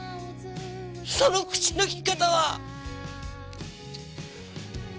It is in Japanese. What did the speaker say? その口のきき方は！